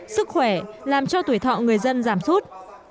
sức khỏe làm cho tuổi thọ người dân giảm sút